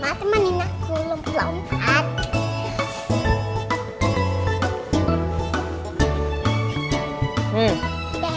ma temanin aku lompat lompat